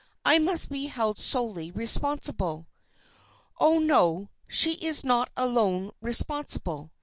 "I must be held solely responsible." "Oh, no, she is not alone responsible.